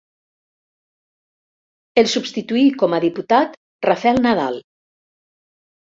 El substituí com a diputat Rafel Nadal.